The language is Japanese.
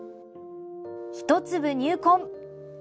一粒入魂。